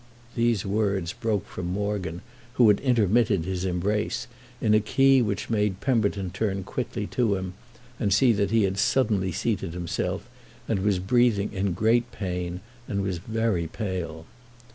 These words broke from Morgan, who had intermitted his embrace, in a key which made Pemberton turn quickly to him and see that he had suddenly seated himself, was breathing in great pain, and was very pale.